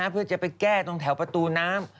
เพื่อจะไปแก้ตรงแถวประตูน้ำ